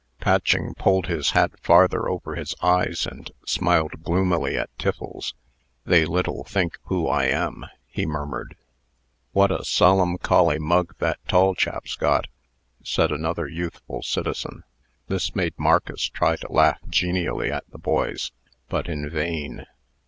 Patching pulled his hat farther over his eyes, and smiled gloomily at Tiffles, "They little think who I am," he murmured. "What a solemncholy mug that tall chap's got," said another youthful citizen. This made Marcus try to laugh genially at the boys. But in vain.